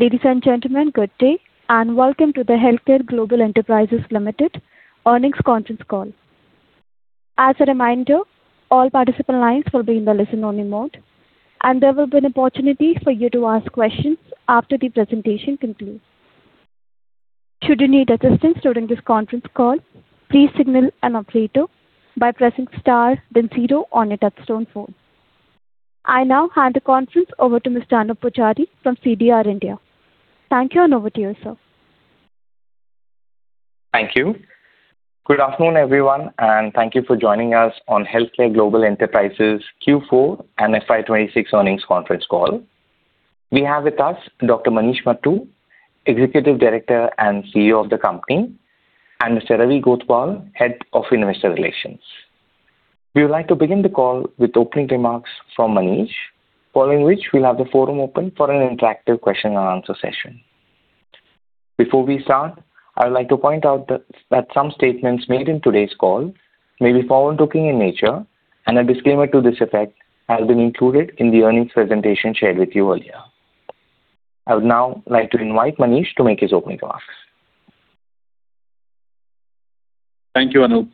Ladies and gentlemen, good day, and welcome to the HealthCare Global Enterprises Limited earnings conference call. As a reminder, all participant lines will be in the listen-only mode, and there will be an opportunity for you to ask questions after the presentation concludes. Should you need assistance during this conference call, please signal an operator by pressing star, then zero on your touch-tone phone. I now hand the conference over to Mr. Anoop Poojari from CDR India. Thank you, and over to you, sir. Thank you. Good afternoon, everyone, and thank you for joining us on HealthCare Global Enterprises Q4 and FY 2026 earnings conference call. We have with us Dr. Manish Mattoo, Executive Director and CEO of the company, and Mr. Ravi Gothwal, Head of Investor Relations. We would like to begin the call with opening remarks from Manish, following which we'll have the forum open for an interactive question-and-answer session. Before we start, I would like to point out that some statements made in today's call may be forward-looking in nature, and a disclaimer to this effect has been included in the earnings presentation shared with you earlier. I would now like to invite Manish to make his opening remarks. Thank you, Anoop.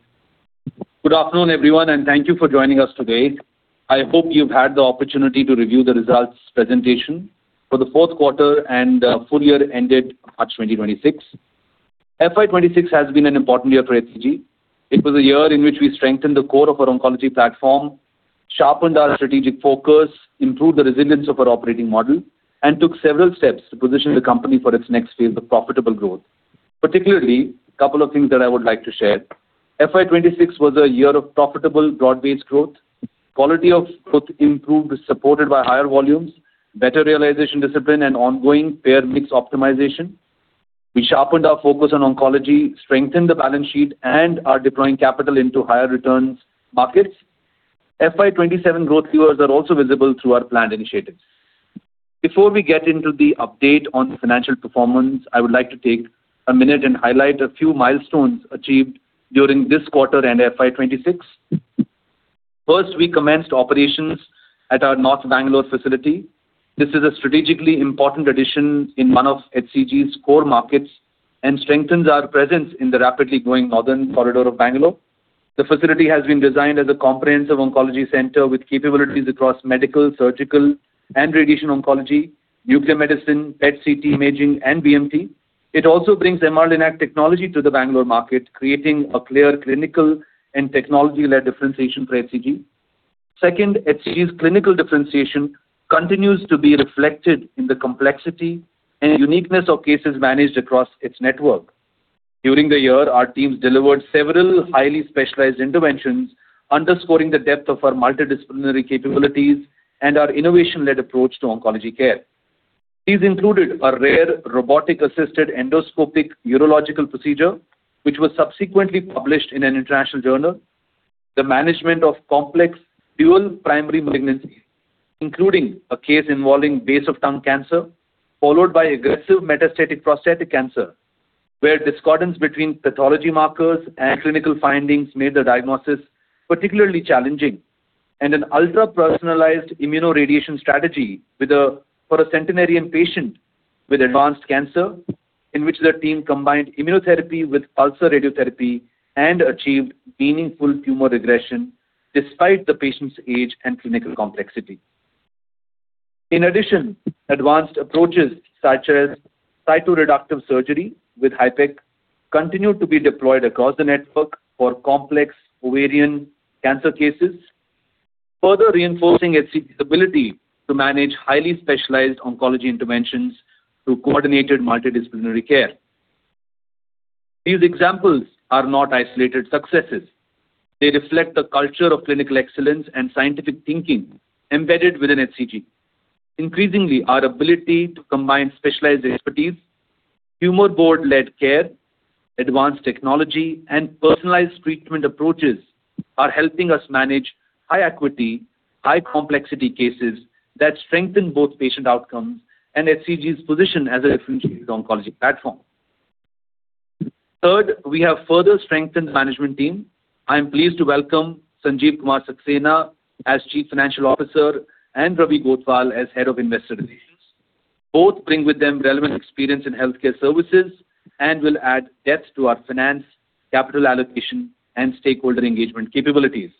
Good afternoon, everyone, and thank you for joining us today. I hope you've had the opportunity to review the results presentation for the fourth quarter and full year ended March 2026. FY 2026 has been an important year for HCG. It was a year in which we strengthened the core of our oncology platform, sharpened our strategic focus, improved the resilience of our operating model, and took several steps to position the company for its next phase of profitable growth. Particularly, a couple of things that I would like to share. FY 2026 was a year of profitable broad-based growth, quality of growth improved supported by higher volumes, better realization discipline, and ongoing payer mix optimization. We sharpened our focus on oncology, strengthened the balance sheet, and are deploying capital into higher returns markets. FY 2027 growth drivers are also visible through our planned initiatives. Before we get into the update on financial performance, I would like to take a minute and highlight a few milestones achieved during this quarter and FY 2026. First, we commenced operations at our North Bangalore facility. This is a strategically important addition in one of HCG's core markets and strengthens our presence in the rapidly growing northern corridor of Bangalore. The facility has been designed as a comprehensive oncology center with capabilities across medical, surgical, and radiation oncology, nuclear medicine, PET/CT imaging, and BMT. It also brings MR-Linac technology to the Bangalore market, creating a clear clinical and technology-led differentiation for HCG. Second, HCG's clinical differentiation continues to be reflected in the complexity and uniqueness of cases managed across its network. During the year, our teams delivered several highly specialized interventions, underscoring the depth of our multidisciplinary capabilities and our innovation-led approach to oncology care. These included a rare robotic-assisted endoscopic urological procedure, which was subsequently published in an international journal, the management of complex dual primary malignancies, including a case involving base of tongue cancer, followed by aggressive metastatic prostatic cancer, where discordance between pathology markers and clinical findings made the diagnosis particularly challenging, and an ultrapersonalized immunoradiation strategy for a centenarian patient with advanced cancer, in which the team combined immunotherapy with PULSAR radiotherapy and achieved meaningful tumor regression despite the patient's age and clinical complexity. In addition, advanced approaches such as cytoreductive surgery with HIPEC continue to be deployed across the network for complex ovarian cancer cases, further reinforcing HCG's ability to manage highly specialized oncology interventions through coordinated multidisciplinary care. These examples are not isolated successes. They reflect the culture of clinical excellence and scientific thinking embedded within HCG. Increasingly, our ability to combine specialized expertise, tumor board-led care, advanced technology, and personalized treatment approaches are helping us manage high-equity, high-complexity cases that strengthen both patient outcomes and HCG's position as a differentiated oncology platform. Third, we have further strengthened management team. I am pleased to welcome Sanjeev Kumar as Chief Financial Officer and Ravi Gothwal as Head of Investor Relations. Both bring with them relevant experience in healthcare services and will add depth to our finance, capital allocation, and stakeholder engagement capabilities.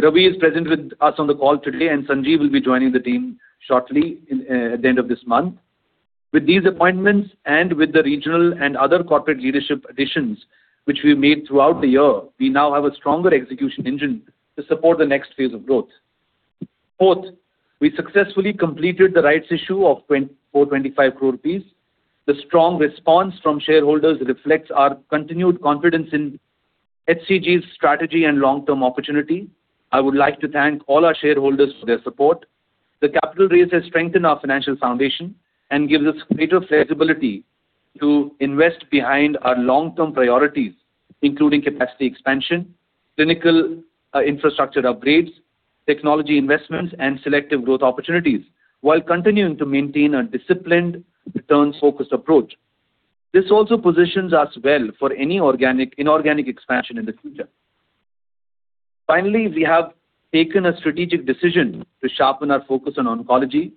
Ravi is present with us on the call today, and Sanjeev will be joining the team shortly at the end of this month. With these appointments and with the regional and other corporate leadership additions which we've made throughout the year, we now have a stronger execution engine to support the next phase of growth. Fourth, we successfully completed the rights issue of 425 crore rupees. The strong response from shareholders reflects our continued confidence in HCG's strategy and long-term opportunity. I would like to thank all our shareholders for their support. The capital raise has strengthened our financial foundation and gives us greater flexibility to invest behind our long-term priorities, including capacity expansion, clinical infrastructure upgrades, technology investments, and selective growth opportunities, while continuing to maintain a disciplined, returns-focused approach. This also positions us well for any inorganic expansion in the future. Finally, we have taken a strategic decision to sharpen our focus on oncology.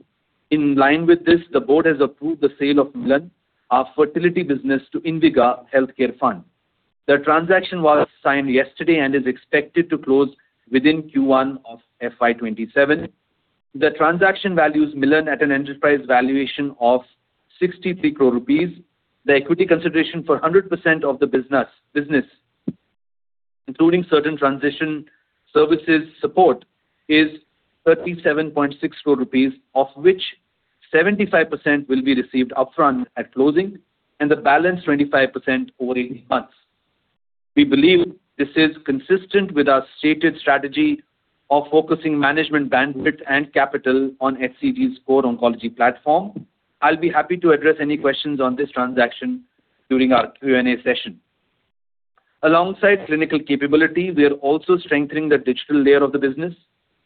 In line with this, the board has approved the sale of Milann, our fertility business, to Inviga Healthcare Fund. The transaction was signed yesterday and is expected to close within Q1 of FY 2027. The transaction values Milann at an enterprise valuation of 63 crore rupees. The equity consideration for 100% of the business, including certain transition services support, is 37.6 crore rupees, of which 75% will be received upfront at closing and the balance 25% over 18 months. We believe this is consistent with our stated strategy of focusing management bandwidth and capital on SEG's core oncology platform. I'll be happy to address any questions on this transaction during our Q&A session. Alongside clinical capability, we are also strengthening the digital layer of the business.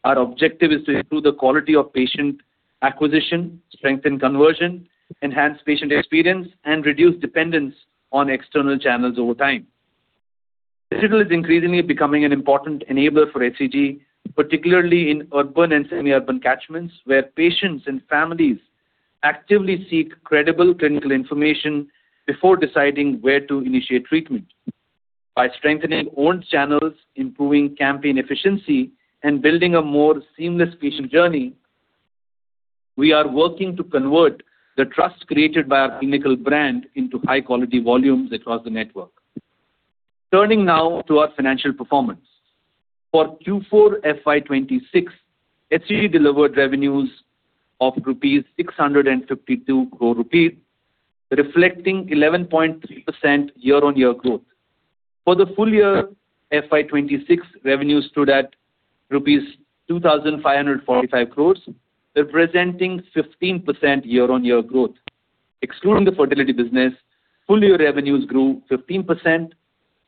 Our objective is to improve the quality of patient acquisition, strengthen conversion, enhance patient experience, and reduce dependence on external channels over time. Digital is increasingly becoming an important enabler for SEG, particularly in urban and semi-urban catchments where patients and families actively seek credible clinical information before deciding where to initiate treatment. By strengthening owned channels, improving campaign efficiency, and building a more seamless patient journey, we are working to convert the trust created by our clinical brand into high-quality volumes across the network. Turning now to our financial performance. For Q4 FY 2026, HCG delivered revenues of 652 crore rupees, reflecting 11.3% year-on-year growth. For the full year, FY 2026 revenues stood at rupees 2,545 crore, representing 15% year-on-year growth. Excluding the fertility business, full-year revenues grew 15%,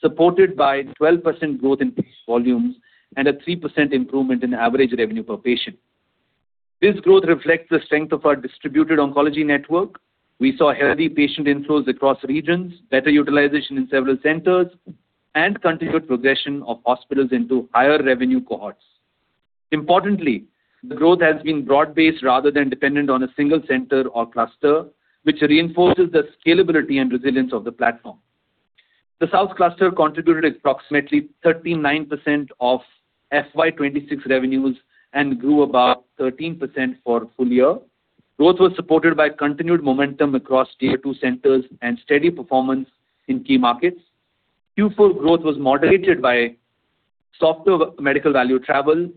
supported by 12% growth in patient volumes and a 3% improvement in average revenue per patient. This growth reflects the strength of our distributed oncology network. We saw healthy patient inflows across regions, better utilization in several centers, and continued progression of hospitals into higher revenue cohorts. Importantly, the growth has been broad-based rather than dependent on a single center or cluster, which reinforces the scalability and resilience of the platform. The South Cluster contributed approximately 39% of FY 2026 revenues and grew about 13% for full year. Growth was supported by continued momentum across Tier-2 centers and steady performance in key markets. Q4 growth was moderated by softer medical value travel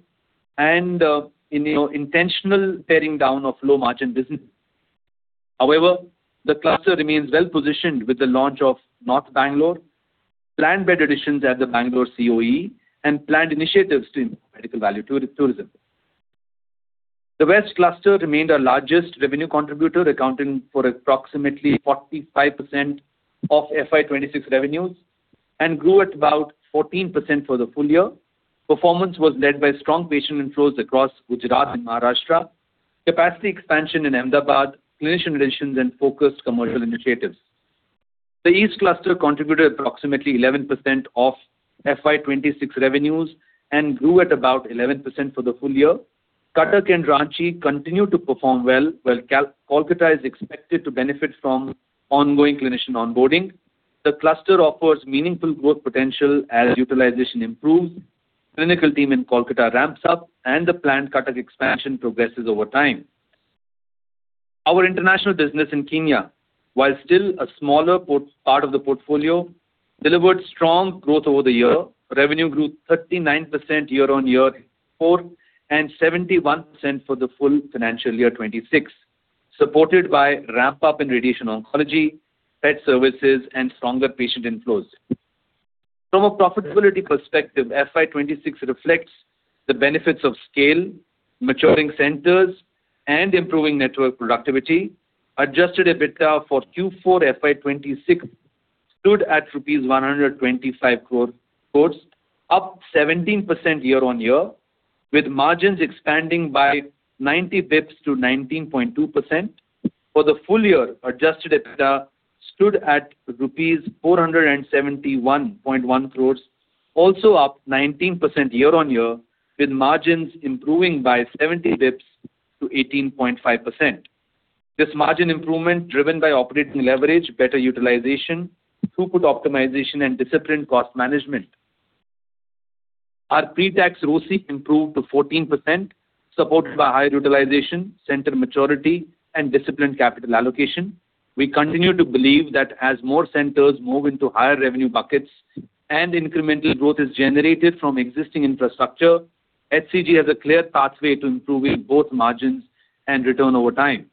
and intentional tearing down of low-margin business. However, the cluster remains well-positioned with the launch of North Bangalore, planned bed additions at the Bangalore COE, and planned initiatives to improve medical value tourism. The West Cluster remained our largest revenue contributor, accounting for approximately 45% of FY 2026 revenues, and grew at about 14% for the full year. Performance was led by strong patient inflows across Gujarat and Maharashtra, capacity expansion in Ahmedabad, clinician additions, and focused commercial initiatives. The East Cluster contributed approximately 11% of FY 2026 revenues and grew at about 11% for the full year. Cuttack and Ranchi continue to perform well, while Kolkata is expected to benefit from ongoing clinician onboarding. The cluster offers meaningful growth potential as utilization improves, the clinical team in Kolkata ramps up, and the planned Cuttack expansion progresses over time. Our international business in Kenya, while still a smaller part of the portfolio, delivered strong growth over the year. Revenue grew 39% year-on-year before and 71% for the full financial year 2026, supported by ramp-up in radiation oncology, PET services, and stronger patient inflows. From a profitability perspective, FY 2026 reflects the benefits of scale, maturing centers, and improving network productivity. Adjusted EBITDA for Q4 FY 2026 stood at rupees 125 crore, up 17% year-on-year, with margins expanding by 90 basis points to 19.2%. For the full year, adjusted EBITDA stood at rupees 471.1 crore, also up 19% year-on-year, with margins improving by 70 basis points to 18.5%. This margin improvement is driven by operating leverage, better utilization, throughput optimization, and disciplined cost management. Our pre-tax ROCE improved to 14%, supported by higher utilization, center maturity, and disciplined capital allocation. We continue to believe that as more centers move into higher revenue buckets and incremental growth is generated from existing infrastructure, HCG has a clear pathway to improving both margins and return over time.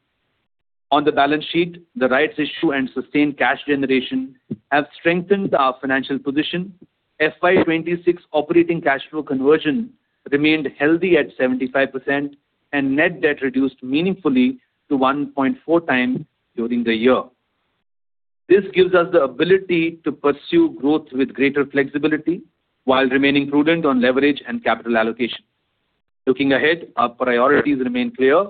On the balance sheet, the rights issue and sustained cash generation have strengthened our financial position. FY 2026 operating cash flow conversion remained healthy at 75%, and net debt reduced meaningfully to 1.4x during the year. This gives us the ability to pursue growth with greater flexibility while remaining prudent on leverage and capital allocation. Looking ahead, our priorities remain clear.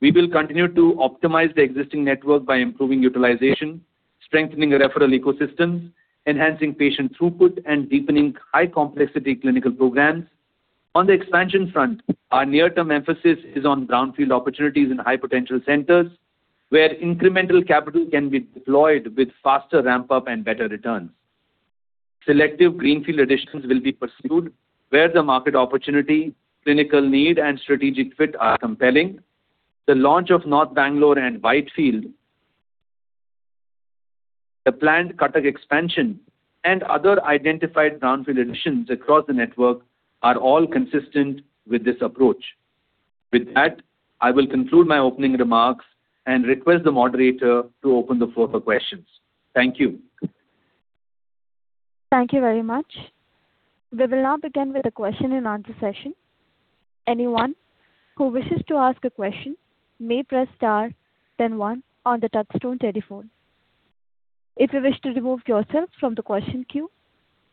We will continue to optimize the existing network by improving utilization, strengthening referral ecosystems, enhancing patient throughput, and deepening high-complexity clinical programs. On the expansion front, our near-term emphasis is on brownfield opportunities in high-potential centers, where incremental capital can be deployed with faster ramp-up and better returns. Selective greenfield additions will be pursued where the market opportunity, clinical need, and strategic fit are compelling. The launch of North Bangalore and Whitefield, the planned Cuttack expansion, and other identified brownfield additions across the network are all consistent with this approach. With that, I will conclude my opening remarks and request the moderator to open the floor for questions. Thank you. Thank you very much. We will now begin with a question-and-answer session. Anyone who wishes to ask a question may press star, then one, on the touch-tone phone. If you wish to remove yourself from the question queue,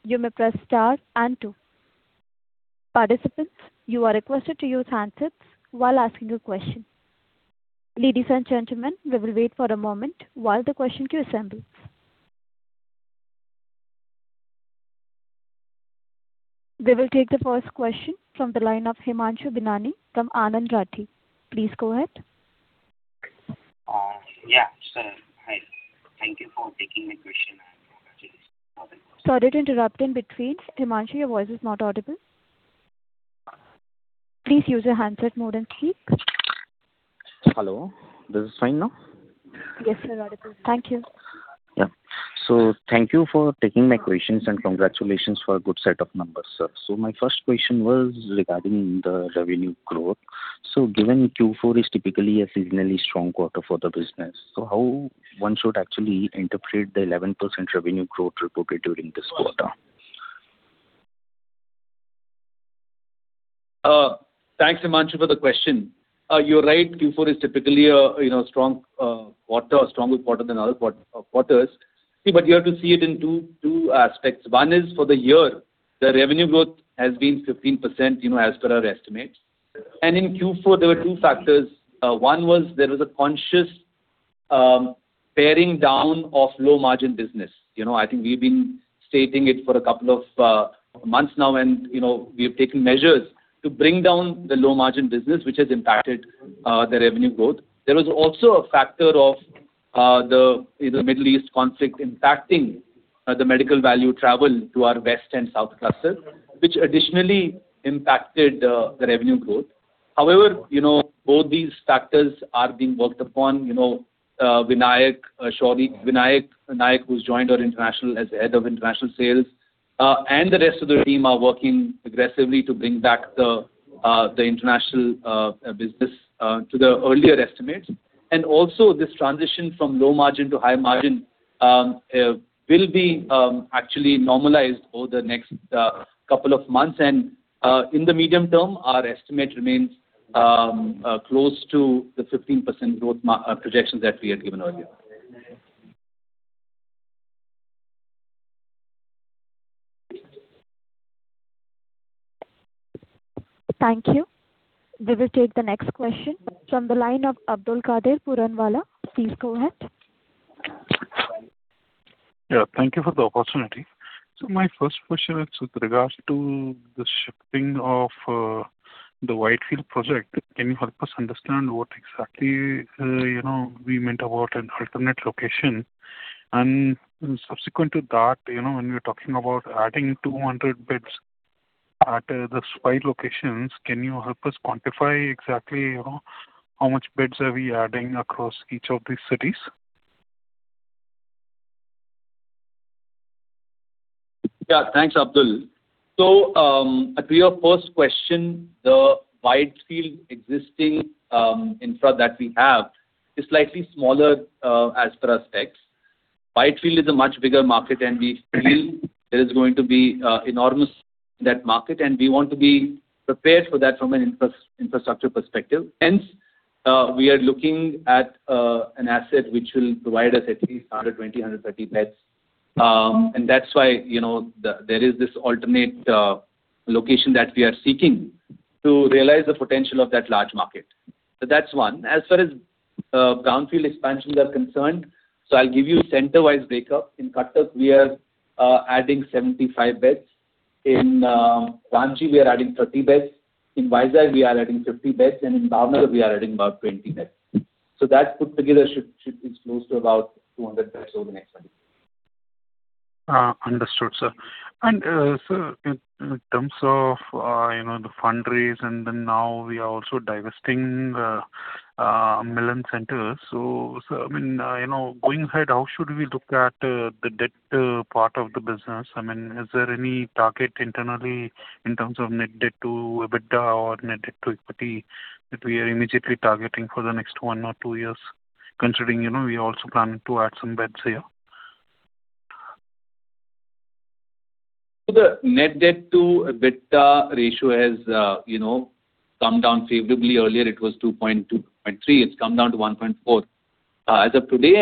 you may press star and two. Participants, you are requested to use handsets while asking a question. Ladies and gentlemen, we will wait for a moment while the question queue assembles. We will take the first question from the line of Himanshu Binani from Anand Rathi. Please go ahead. Yeah. Hi. Thank you for taking my question. Sorry to interrupt in between. Himanshu, your voice is not audible. Please use your handset mode and speak. Hello. This is fine now? Yes, sir. Audible. Thank you. Thank you for taking my questions and congratulations for a good set of numbers, sir. My first question was regarding the revenue growth. Given Q4 is typically a seasonally strong quarter for the business, how one should actually interpret the 11% revenue growth reported during this quarter? Thanks, Himanshu, for the question. You're right. Q4 is typically a strong quarter, a stronger quarter than other quarters. See, you have to see it in two aspects. One is for the year, the revenue growth has been 15% as per our estimate. In Q4, there were two factors. One was there was a conscious tearing down of low-margin business. I think we've been stating it for a couple of months now, and we have taken measures to bring down the low-margin business, which has impacted the revenue growth. There was also a factor of the Middle East conflict impacting the medical value travel to our West and South Cluster, which additionally impacted the revenue growth. Both these factors are being worked upon. Vinayak Nayak, who has joined our international as the Head of International Sales, the rest of the team are working aggressively to bring back the international business to the earlier estimates. This transition from low margin to high margin will be actually normalized over the next couple of months. In the medium term, our estimate remains close to the 15% growth projections that we had given earlier. Thank you. We will take the next question from the line of Abdulkader Puranwala. Please go ahead. Yeah. Thank you for the opportunity. My first question is with regards to the shifting of the Whitefield project. Can you help us understand what exactly we meant about an alternate location? Subsequent to that, when you're talking about adding 200 beds at the spike locations, can you help us quantify exactly how much beds are we adding across each of these cities? Yeah. Thanks, Abdul. To your first question, the Whitefield existing infra that we have is slightly smaller as per our specs. Whitefield is a much bigger market, and we feel there is going to be enormous in that market. We want to be prepared for that from an infrastructure perspective. Hence, we are looking at an asset which will provide us at least 120, 130 beds. That's why there is this alternate location that we are seeking to realize the potential of that large market. That's one. As far as brownfield expansions are concerned, I'll give you center-wise breakup. In Cuttack, we are adding 75 beds. In Ranchi, we are adding 30 beds. In Vizag, we are adding 50 beds. In [Baroda], we are adding about 20 beds. That put together should be close to about 200 beds over the next 20 years. Understood, sir. Sir, in terms of the fundraise, now we are also divesting Milann centers. I mean, going ahead, how should we look at the debt part of the business? I mean, is there any target internally in terms of net debt to EBITDA or net debt to equity that we are immediately targeting for the next one or two years, considering we are also planning to add some beds here? The net debt to EBITDA ratio has come down favorably. Earlier, it was 2.2-2.3. It's come down to 1.4 as of today.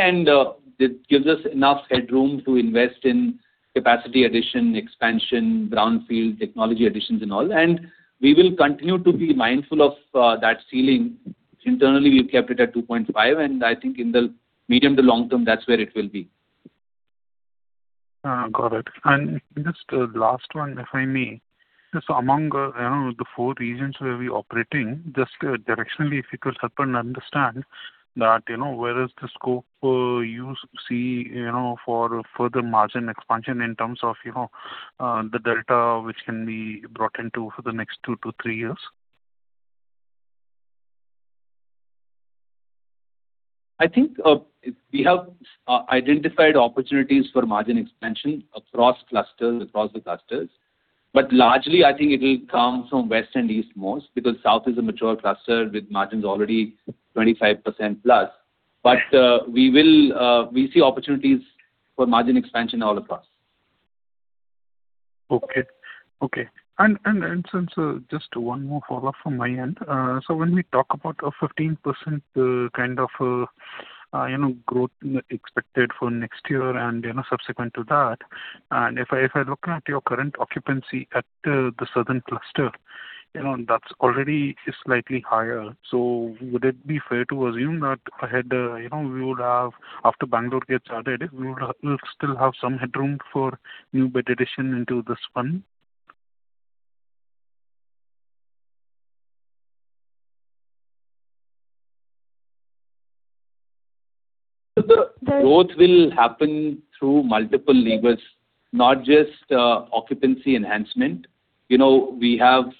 It gives us enough headroom to invest in capacity addition, expansion, brownfield technology additions, and all. We will continue to be mindful of that ceiling. Internally, we've kept it at 2.5. I think in the medium to long term, that's where it will be. Got it. Just the last one, if I may. Among the four regions where we're operating, just directionally, if you could help us understand that where is the scope you see for further margin expansion in terms of the delta which can be brought into for the next two to three years? I think we have identified opportunities for margin expansion across the clusters. Largely, I think it will come from West and Eastmost because South is a mature cluster with margins already 25% plus. We see opportunities for margin expansion all across. Okay. Okay. Just one more follow-up from my end. When we talk about a 15% kind of growth expected for next year and subsequent to that, and if I look at your current occupancy at the South Cluster, that already is slightly higher. Would it be fair to assume that ahead we would have after Bangalore gets added, we would still have some headroom for new bed addition into this one? The growth will happen through multiple levers, not just occupancy enhancement. We have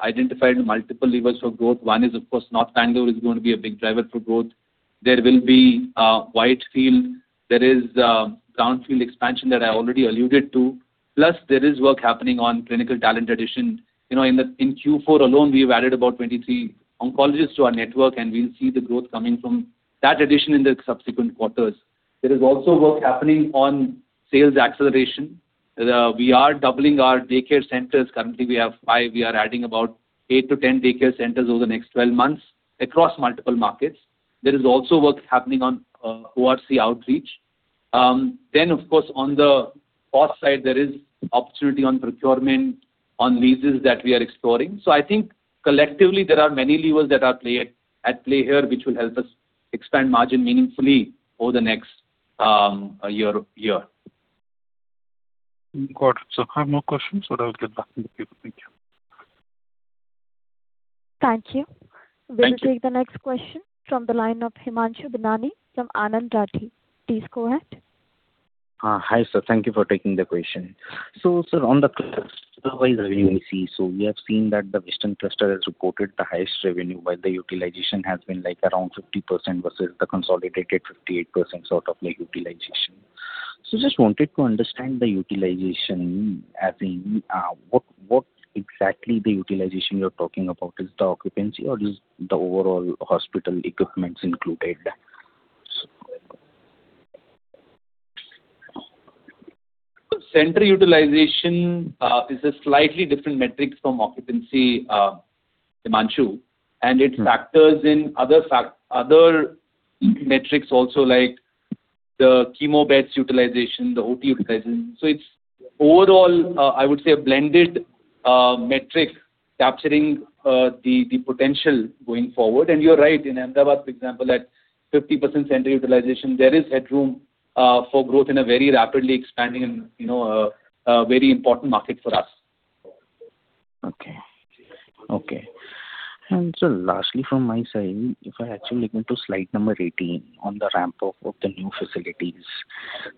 identified multiple levers for growth. One is, of course, North Bangalore is going to be a big driver for growth. There will be Whitefield. There is brownfield expansion that I already alluded to. There is work happening on clinical talent addition. In Q4 alone, we have added about 23 oncologists to our network, and we'll see the growth coming from that addition in the subsequent quarters. There is also work happening on sales acceleration. We are doubling our daycare centers. Currently, we have five. We are adding about 8-10 daycare centers over the next 12 months across multiple markets. There is also work happening on OPD outreach. Of course, on the cost side, there is opportunity on procurement, on leases that we are exploring. I think collectively, there are many levers that are at play here which will help us expand margin meaningfully over the next year. Got it. I have more questions, so I will get back to the people. Thank you. Thank you. We will take the next question from the line of Himanshu Binani from Anand Rathi. Please go ahead. Hi, sir. Thank you for taking the question. Sir, on the cluster-wise revenue we see, we have seen that the West Cluster has reported the highest revenue, while the utilization has been around 50% versus the consolidated 58% sort of utilization. Just wanted to understand the utilization as in what exactly the utilization you're talking about. Is the occupancy, or is the overall hospital equipment included? Center utilization is a slightly different metric from occupancy, Himanshu. It factors in other metrics also like the chemo beds utilization, the OT utilization. It's overall, I would say, a blended metric capturing the potential going forward. You're right. In Ahmedabad, for example, at 50% center utilization, there is headroom for growth in a very rapidly expanding and very important market for us. Okay. Okay. Lastly from my side, if I actually look into slide 18 on the ramp-up of the new facilities,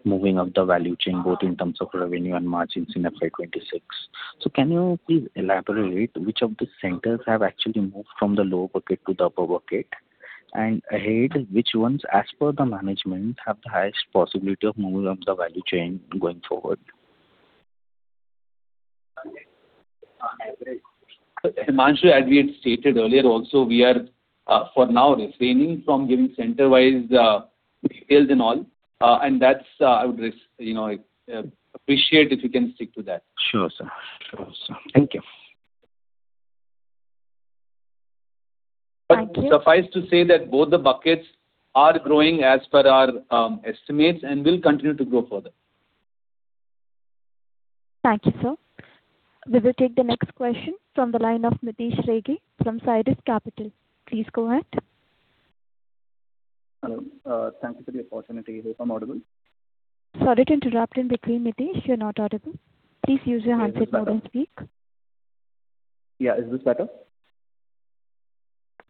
moving up the value chain both in terms of revenue and margins in FY 2026, can you please elaborate which of the centers have actually moved from the lower bucket to the upper bucket? Ahead, which ones, as per the management, have the highest possibility of moving up the value chain going forward? Himanshu, as we had stated earlier also, we are for now refraining from giving center-wise details and all. I would appreciate if you can stick to that. Sure, sir. Sure, sir. Thank you. Suffice to say that both the buckets are growing as per our estimates and will continue to grow further. Thank you, sir. We will take the next question from the line of Nitish Rege from ChrysCapital. Please go ahead. Hello. Thank you for the opportunity. I hope I'm audible. Sorry to interrupt in between, Nitish. You're not audible. Please use your handset mode and speak. Yeah. Is this better?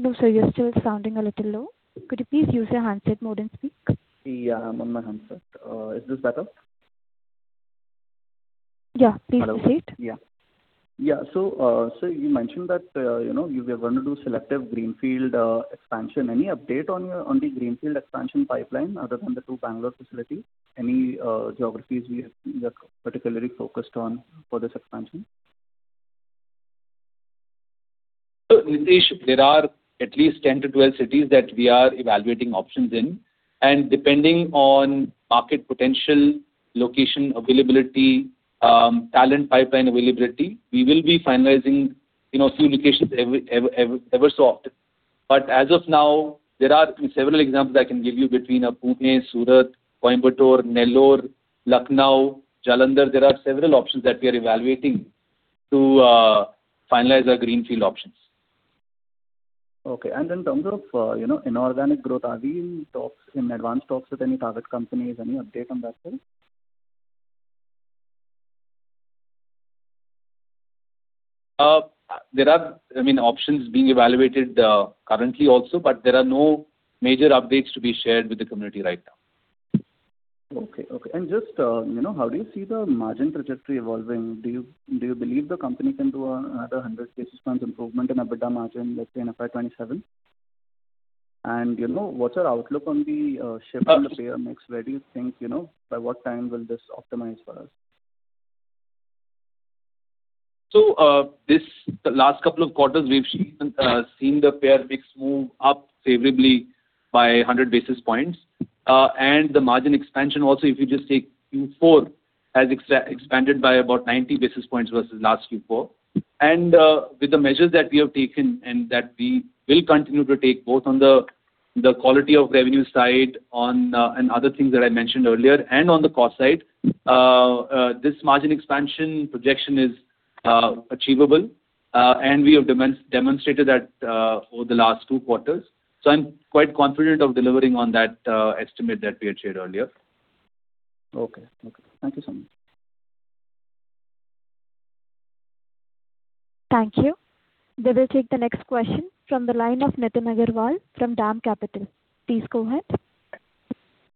No, sir. You're still sounding a little low. Could you please use your handset mode and speak? Yeah. I'm on my handset. Is this better? Yeah. Please proceed. Yeah. Yeah. You mentioned that we are going to do selective greenfield expansion. Any update on the greenfield expansion pipeline other than the two Bangalore facilities? Any geographies we are particularly focused on for this expansion? Nitish, there are at least 10-12 cities that we are evaluating options in. Depending on market potential, location availability, talent pipeline availability, we will be finalizing a few locations ever so often. As of now, there are several examples I can give you between Pune, Surat, Coimbatore, Nellore, Lucknow, Jalandhar. There are several options that we are evaluating to finalize our greenfield options. Okay. In terms of inorganic growth, are we in advanced talks with any target companies? Any update on that, sir? There are, I mean, options being evaluated currently also, but there are no major updates to be shared with the community right now. Okay. Okay. Just how do you see the margin trajectory evolving? Do you believe the company can do another 100 basis points improvement in EBITDA margin, let's say, in FY 2027? What's your outlook on the shift in the payer mix? Where do you think by what time will this optimize for us? The last couple of quarters, we've seen the payer mix move up favorably by 100 basis points. The margin expansion also, if you just take Q4, has expanded by about 90 basis points versus last Q4. With the measures that we have taken and that we will continue to take both on the quality of revenue side and other things that I mentioned earlier and on the cost side, this margin expansion projection is achievable. We have demonstrated that over the last two quarters. I'm quite confident of delivering on that estimate that we had shared earlier. Okay. Okay. Thank you so much. Thank you. We will take the next question from the line of Nitin Agarwal from DAM Capital. Please go ahead.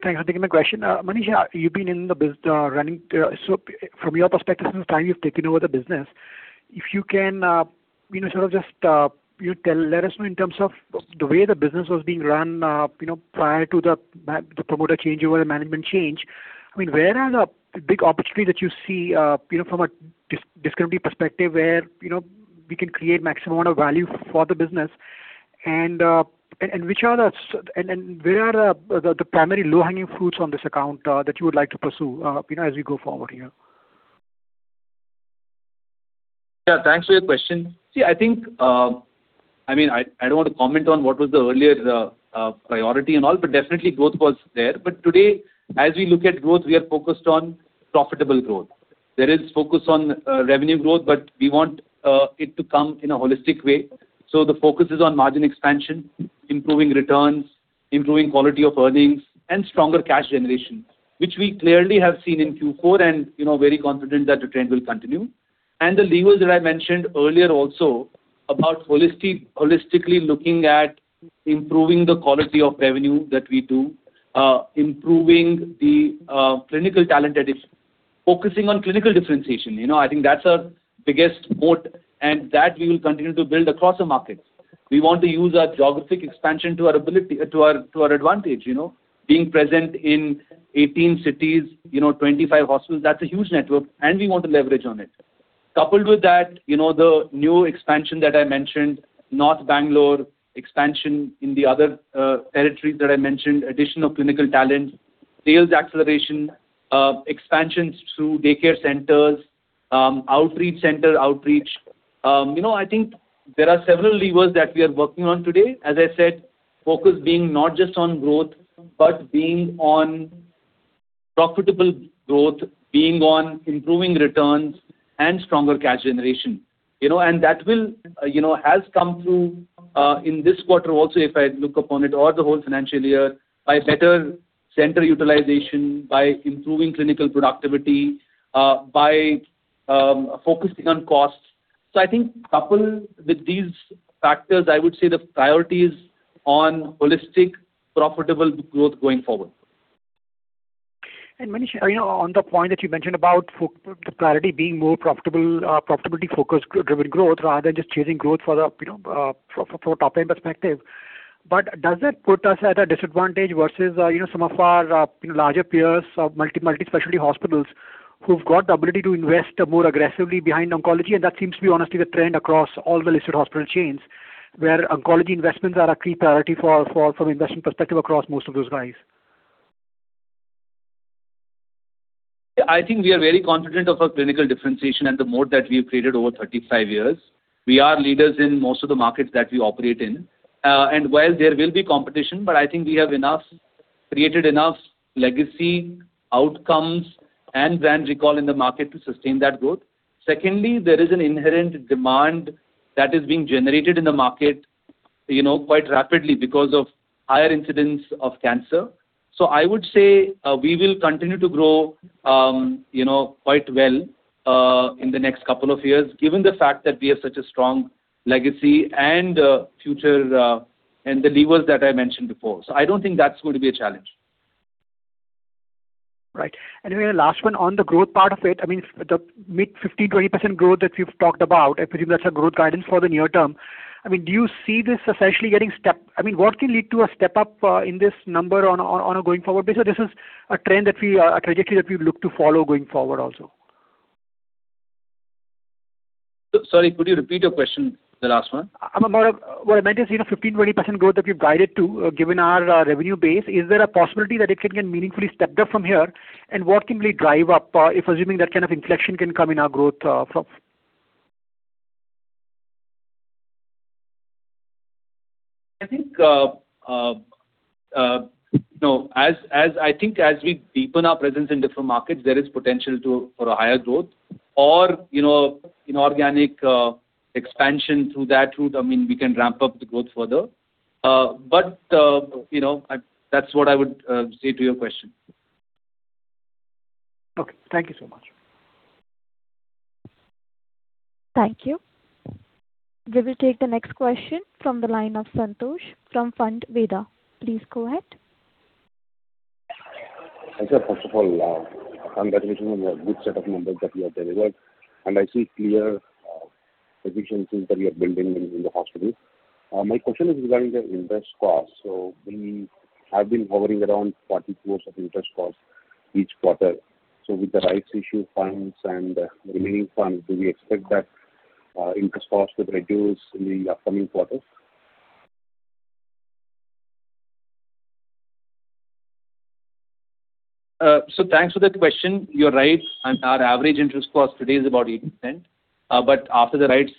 Thanks for taking my question. Manish, you've been in the running. From your perspective, since the time you've taken over the business, if you can sort of just let us know in terms of the way the business was being run prior to the promoter changeover and management change. I mean, where are the big opportunities that you see from a discounting perspective where we can create maximum amount of value for the business? Which are the and where are the primary low-hanging fruits on this account that you would like to pursue as we go forward here? Yeah. Thanks for your question. I think I mean, I don't want to comment on what was the earlier priority and all, definitely, growth was there. Today, as we look at growth, we are focused on profitable growth. There is focus on revenue growth, but we want it to come in a holistic way. The focus is on margin expansion, improving returns, improving quality of earnings, and stronger cash generation, which we clearly have seen in Q4 and very confident that the trend will continue. The levers that I mentioned earlier also about holistically looking at improving the quality of revenue that we do, improving the clinical talent addition, focusing on clinical differentiation. I think that's our biggest moat. That we will continue to build across the markets. We want to use our geographic expansion to our advantage. Being present in 18 cities, 25 hospitals, that's a huge network. We want to leverage on it. Coupled with that, the new expansion that I mentioned, North Bangalore expansion in the other territories that I mentioned, addition of clinical talent, sales acceleration, expansions through daycare centers, outreach center outreach, I think there are several levers that we are working on today. As I said, focus being not just on growth but being on profitable growth, being on improving returns, and stronger cash generation. That has come through in this quarter also, if I look upon it, or the whole financial year, by better center utilization, by improving clinical productivity, by focusing on costs. I think coupled with these factors, I would say the priority is on holistic, profitable growth going forward. Manish, on the point that you mentioned about the priority being more profitability-focused, driven growth rather than just chasing growth from a top-end perspective, but does that put us at a disadvantage versus some of our larger peers, multi-specialty hospitals, who've got the ability to invest more aggressively behind oncology? That seems to be, honestly, the trend across all the listed hospital chains where oncology investments are a key priority from an investment perspective across most of those guys. I think we are very confident of our clinical differentiation and the moat that we've created over 35 years. We are leaders in most of the markets that we operate in. While there will be competition, but I think we have created enough legacy outcomes and brand recall in the market to sustain that growth. Secondly, there is an inherent demand that is being generated in the market quite rapidly because of higher incidence of cancer. I would say we will continue to grow quite well in the next couple of years given the fact that we have such a strong legacy and the levers that I mentioned before. I don't think that's going to be a challenge. Right. Last one, on the growth part of it, I mean, the mid-15%-20% growth that you've talked about, I presume that's a growth guidance for the near term. I mean, what can lead to a step up in this number on a going forward basis? This is a trajectory that we look to follow going forward also. Sorry, could you repeat your question, the last one? What I meant is 15%-20% growth that we've guided to given our revenue base, is there a possibility that it can get meaningfully stepped up from here? What can really drive up, if assuming that kind of inflection can come in our growth from? I think as we deepen our presence in different markets, there is potential for a higher growth. Inorganic expansion through that route, I mean, we can ramp up the growth further. That's what I would say to your question. Okay. Thank you so much. Thank you. We will take the next question from the line of Santosh from Funds Ve'daa. Please go ahead. Hi, sir. First of all, I can't recognize a good set of numbers that we have delivered. I see clear efficiencies that we are building in the hospitals. My question is regarding the interest cost. We have been hovering around 40% of interest cost each quarter. With the rights issue funds and the remaining funds, do we expect that interest cost will reduce in the upcoming quarters? Thanks for the question. You are right. Our average interest cost today is about 80%. After the rights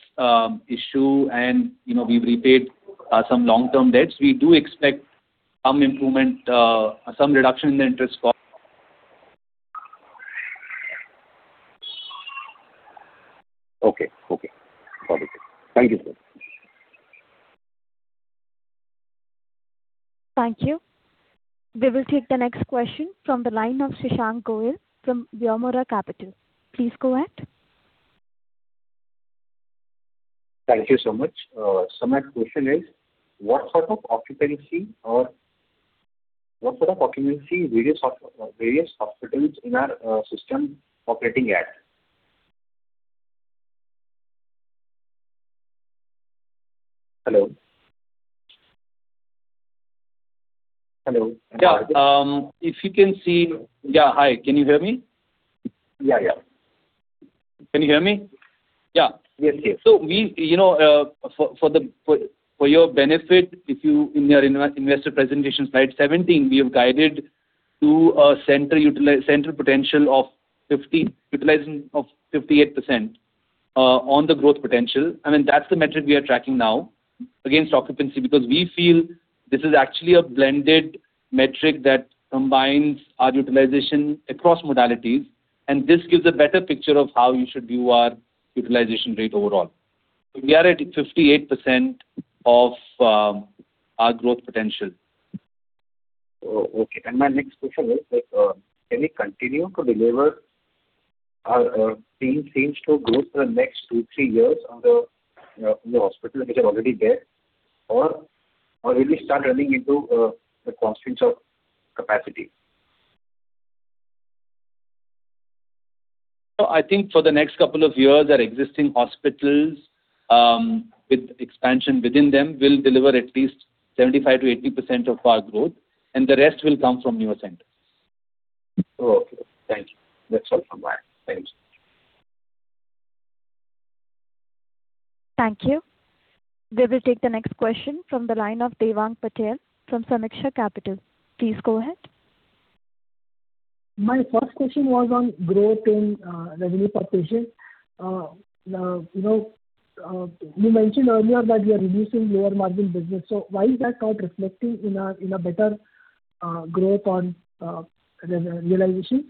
issue and we have repaid some long-term debts, we do expect some reduction in the interest cost. Okay. Okay. Got it. Thank you, sir. Thank you. We will take the next question from the line of [Shashank] Gohil from Vyomura Capital. Please go ahead. Thank you so much. My question is, what sort of occupancy various hospitals in our system operating at? Hello? Yeah. If you can see, hi. Can you hear me? Yeah, yeah. Can you hear me? Yeah. Yes, yes. For your benefit, in your investor presentation slide 17, we have guided to a central potential of 58% on the growth potential. I mean, that's the metric we are tracking now against occupancy because we feel this is actually a blended metric that combines our utilization across modalities. This gives a better picture of how you should view our utilization rate overall. We are at 58% of our growth potential. Okay. My next question is, can we continue to deliver our teams to growth for the next two, three years on the hospitals which are already there? Will we start running into constraints of capacity? I think for the next couple of years, our existing hospitals with expansion within them will deliver at least 75%-80% of our growth. The rest will come from newer centers. Okay. Thank you. That's all from my end. Thank you so much. Thank you. We will take the next question from the line of Devang Patel from Sameeksha Capital. Please go ahead. My first question was on growth in revenue partition. You mentioned earlier that we are reducing lower-margin business. Why is that not reflecting in a better growth on realizations?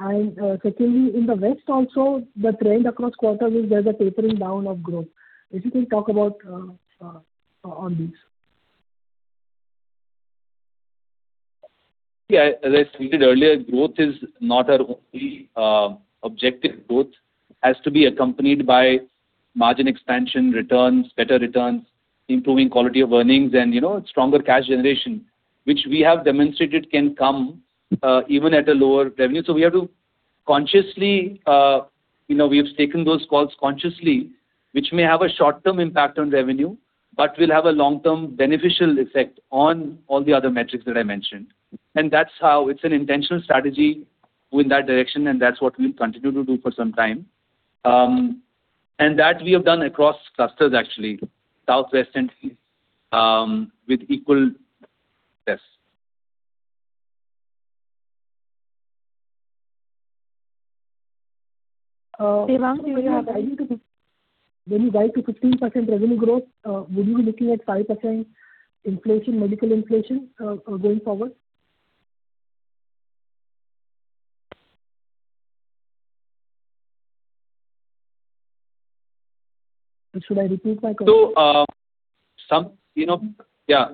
Secondly, in the West also, the trend across quarters is there's a tapering down of growth. If you can talk about on these. As I stated earlier, growth is not our only objective. Growth has to be accompanied by margin expansion, returns, better returns, improving quality of earnings, and stronger cash generation, which we have demonstrated can come even at a lower revenue. We have taken those calls consciously, which may have a short-term impact on revenue but will have a long-term beneficial effect on all the other metrics that I mentioned. That's how it's an intentional strategy going that direction. That's what we'll continue to do for some time. That we have done across clusters, actually, Southwest and East with equal yes. Devang, When you write to 15% revenue growth, would you be looking at 5% inflation, medical inflation going forward? Should I repeat my question? Yeah.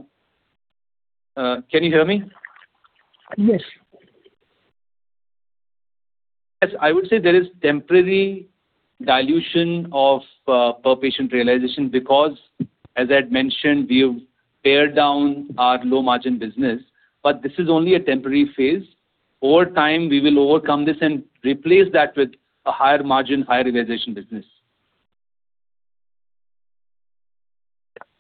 Can you hear me? Yes. Yes. I would say there is temporary dilution of per-patient realization because, as I had mentioned, we have pared down our low-margin business. This is only a temporary phase. Over time, we will overcome this and replace that with a higher-margin, higher realization business,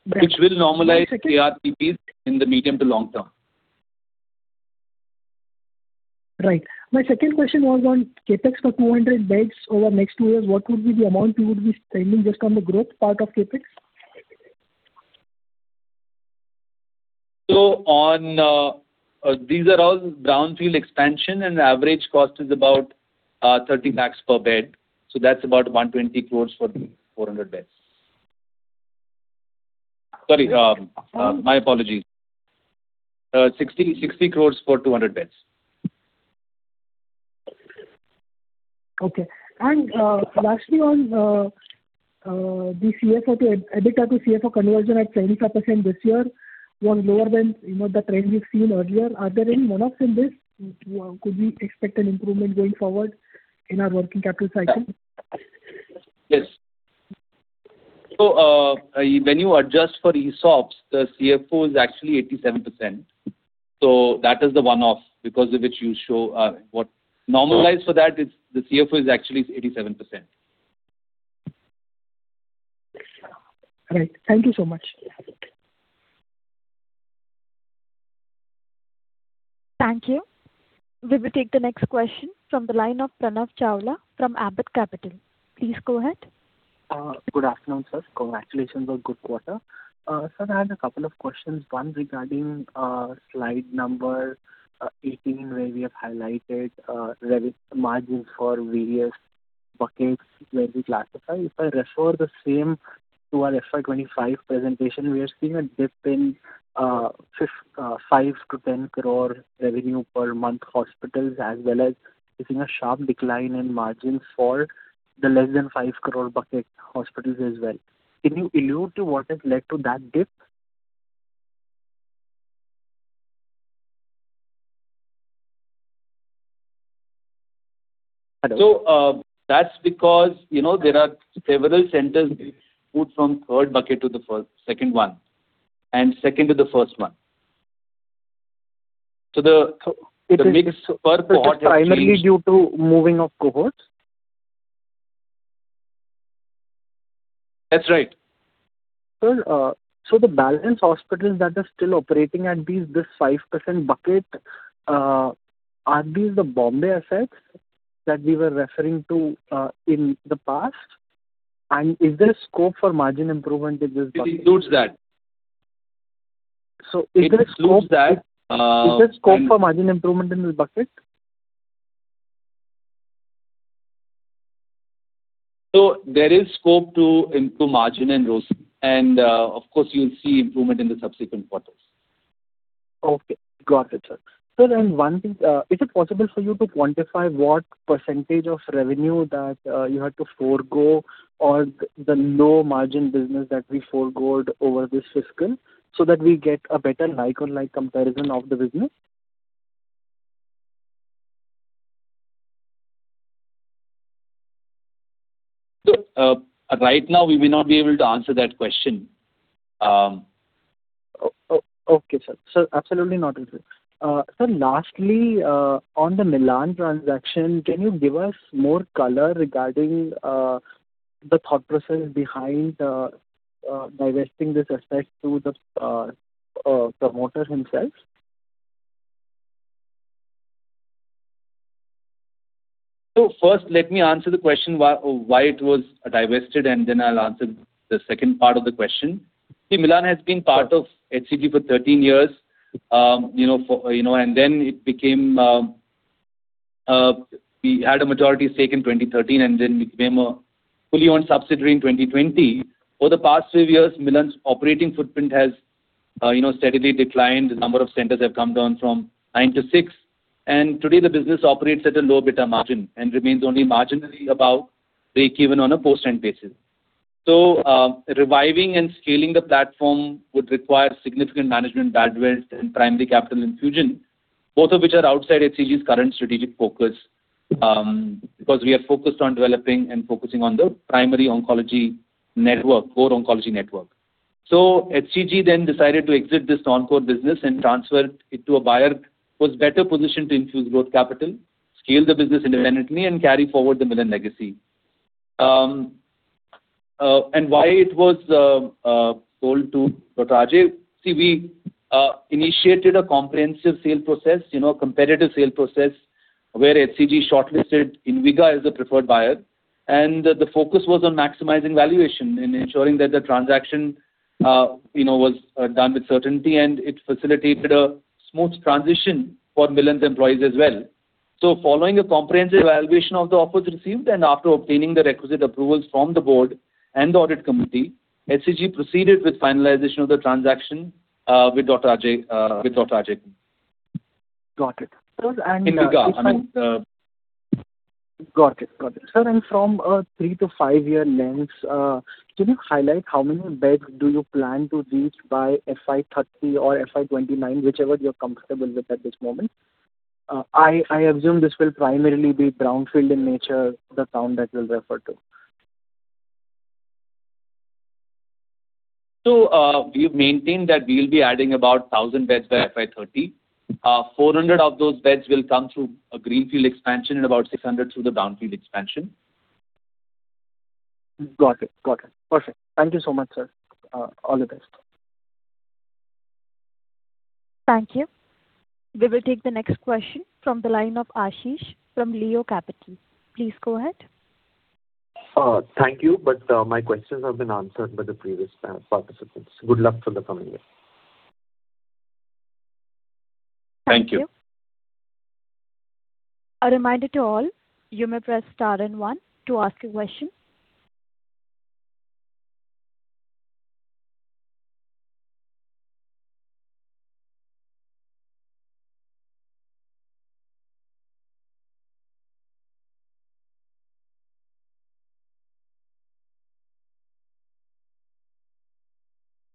which will normalize ARPP in the medium to long term. Right. My second question was on CapEx for 200 beds over the next two years. What would be the amount you would be spending just on the growth part of CapEx? These are all brownfield expansion. The average cost is about 30 lakhs per bed. That's about 120 crores for 400 beds. Sorry. My apologies. 60 crores for 200 beds. Okay. Lastly, on the EBITDA to CFO conversion at 75% this year was lower than the trend we've seen earlier. Are there any one-offs in this? Could we expect an improvement going forward in our working capital cycle? Yes. When you adjust for ESOPs, the CFO is actually 87%. That is the one-off because of which you show what normalized for that, the CFO is actually 87%. Right. Thank you so much. Thank you. We will take the next question from the line of Pranav Chawla from Ambit Capital. Please go ahead. Good afternoon, sir. Congratulations on a good quarter. Sir, I had a couple of questions. One regarding slide 18 where we have highlighted margins for various buckets where we classify. If I refer the same to our FY 2025 presentation, we are seeing a dip in 5 crore-10 crore revenue per month hospitals as well as seeing a sharp decline in margins for the less than 5 crore bucket hospitals as well. Can you allude to what has led to that dip? That's because there are several centers moved from third bucket to the second one and second to the first one. The mix per quarter is not. Is this primarily due to moving of cohorts? That's right. Sir, the balanced hospitals that are still operating at this 5% bucket, are these the Bombay assets that we were referring to in the past? Is there scope for margin improvement in this bucket? It includes that. Is there scope for. It includes that. Is there scope for margin improvement in this bucket? There is scope to improve margin and growth. Of course, you will see improvement in the subsequent quarters. Okay. Got it, sir. Sir, one thing, is it possible for you to quantify what percentage of revenue that you had to forego or the low-margin business that we foregone over this fiscal so that we get a better like-on-like comparison of the business? Sir, right now, we may not be able to answer that question. Okay, sir. Sir, absolutely not. Sir, lastly, on the Milann transaction, can you give us more color regarding the thought process behind divesting this asset to the promoter himself? First, let me answer the question why it was divested. Then I'll answer the second part of the question. Milann has been part of HCG for 13 years. Then we had a majority stake in 2013. Then we became a fully-owned subsidiary in 2020. Over the past few years, Milann's operating footprint has steadily declined. The number of centers have come down from nine to six. Today, the business operates at a low EBITDA margin and remains only marginally above break-even on a post-tax basis. Reviving and scaling the platform would require significant management bandwidth and primary capital infusion, both of which are outside HCG's current strategic focus because we are focused on developing and focusing on the primary oncology network, core oncology network. HCG then decided to exit this non-core business and transfer it to a buyer who was better positioned to infuse growth capital, scale the business independently, and carry forward the Milann legacy. Why it was sold to Dr. Ajay? See, we initiated a comprehensive sale process, a competitive sale process where HCG shortlisted Inviga as a preferred buyer. The focus was on maximizing valuation and ensuring that the transaction was done with certainty. It facilitated a smooth transition for Milann's employees as well. Following a comprehensive evaluation of the offers received and after obtaining the requisite approvals from the board and the audit committee, HCG proceeded with finalization of the transaction with Dr. Ajay. Got it. Sir. Inviga. I mean. Got it. Got it. Sir, from a three-to-five-year lens, can you highlight how many beds do you plan to reach by FY 2030 or FY 2029, whichever you're comfortable with at this moment? I assume this will primarily be brownfield in nature, the town that you'll refer to. We've maintained that we'll be adding about 1,000 beds by FY 2030. 400 of those beds will come through a greenfield expansion and about 600 through the brownfield expansion. Got it. Got it. Perfect. Thank you so much, sir. All the best. Thank you. We will take the next question from the line of Ashish from Leo Capital. Please go ahead. Thank you. My questions have been answered by the previous participants. Good luck for the coming year. Thank you. Thank you. A reminder to all, you may press star and one to ask a question.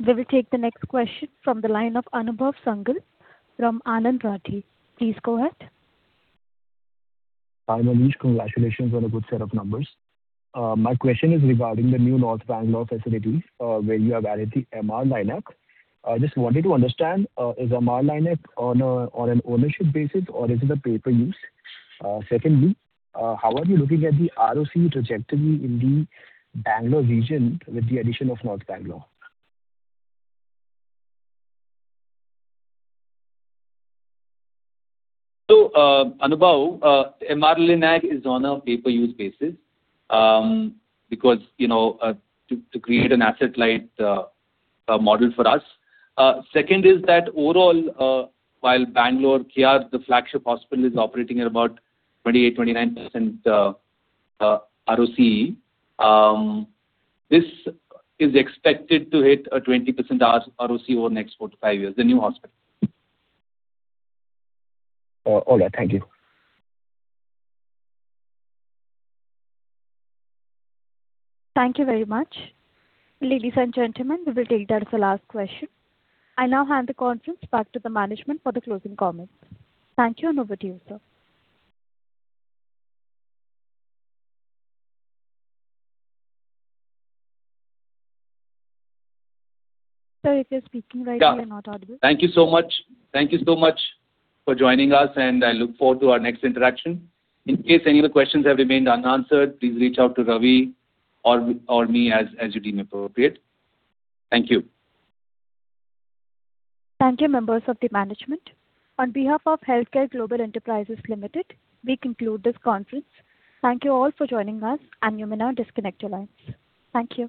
We will take the next question from the line of Anubhav Sangal from Anand Rathi. Please go ahead. Hi, Manish. Congratulations on a good set of numbers. My question is regarding the new North Bangalore facilities where you have added the MR-Linac. I just wanted to understand, is MR-Linac on an ownership basis, or is it a paper use? Secondly, how are you looking at the ROCE trajectory in the Bangalore region with the addition of North Bangalore? Anubhav, MR-Linac is on a pay-per-use basis because to create an asset-light model for us. Second is that overall, while Bangalore, K. R. Road, the flagship hospital, is operating at about 28%-29% ROC, this is expected to hit a 20% ROC over the next four to five years, the new hospital. All right. Thank you. Thank you very much. Ladies and gentlemen, we will take that as the last question. I now hand the conference back to the management for the closing comments. Thank you. Over to you, sir. Sir, if you're speaking right now, you're not audible. Thank you so much. Thank you so much for joining us. I look forward to our next interaction. In case any of the questions have remained unanswered, please reach out to Ravi or me as you deem appropriate. Thank you. Thank you, members of the management. On behalf of HealthCare Global Enterprises Limited, we conclude this conference. Thank you all for joining us, and you may now disconnect your lines. Thank you.